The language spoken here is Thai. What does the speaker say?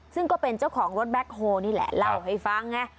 ซึ่งก็เป็นเจ้าของรถแบ็คโฮนี่แหละเล่าให้ฟังไง